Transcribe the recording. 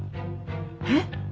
えっ？